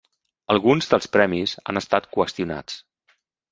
Alguns dels premis han estat qüestionats.